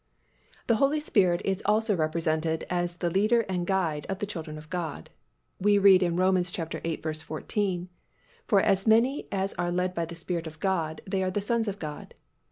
The Holy Spirit is also represented as the Leader and Guide of the children of God. We read in Rom. viii. 14, "For as many as are led by the Spirit of God they are the sons of God."